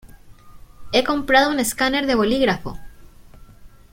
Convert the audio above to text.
He comprado un escáner de bolígrafo.